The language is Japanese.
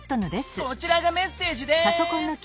こちらがメッセージです！